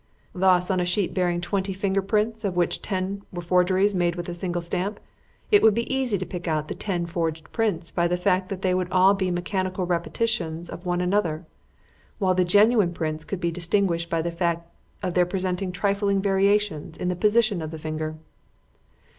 Thus, on a sheet bearing twenty finger prints, of which ten were forgeries made with a single stamp, it would be easy to pick out the ten forged prints by the fact that they would all be mechanical repetitions of one another; while the genuine prints could be distinguished by the fact of their presenting trifling variations in the position of the finger.